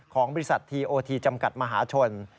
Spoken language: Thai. ของบริษัททีโอทีจำกัดมหาชน